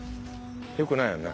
よくないよね。